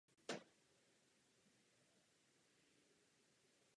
Studoval Divadelní akademii múzických umění v Praze.